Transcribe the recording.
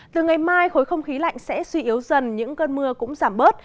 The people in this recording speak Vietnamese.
từ ngày mai khối không khí lạnh sẽ suy yếu dần những cơn mưa cũng giảm bớt